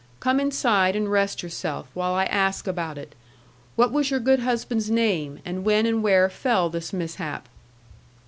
Come inside and rest yourself, while I ask about it. What was your good husband's name, and when and where fell this mishap?'